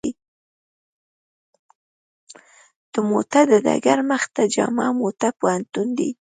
د موته د ډګر مخې ته جامعه موته پوهنتون دی.